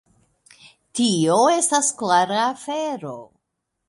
Tio estas klara afero.